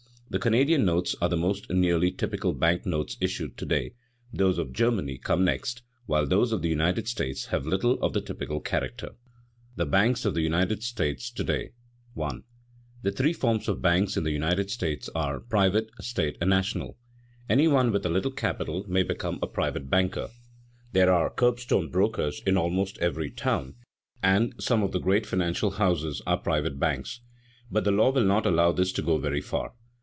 The Canadian notes are the most nearly typical bank notes issued to day; those of Germany come next, while those of the United States have little of the typical character. § III. BANKS OF THE UNITED STATES TO DAY [Sidenote: Forms of banks in the United States] 1. The three forms of banks in the United States are private, state, and national. Any one with a little capital may become a private banker. There are "curbstone brokers" in almost every town, and some of the great financial houses are private banks. But the law will not allow this to go very far.